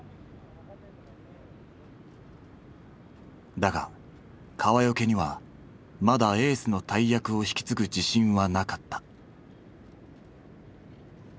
だが川除にはまだエースの大役を引き継ぐ自信はなかった。